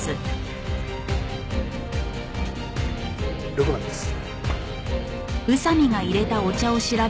６番です。